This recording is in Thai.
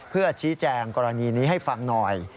เพื่อชี้แจงกรณีนี้ให้ฟังหน่อย